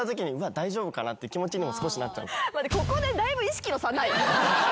って気持ちにも少しなっちゃう。